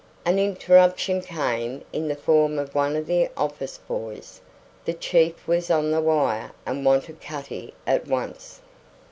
An interruption came in the form of one of the office boys. The chief was on the wire and wanted Cutty at once.